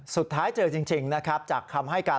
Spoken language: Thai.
สุดท้ายเจอจริงจากคำให้การ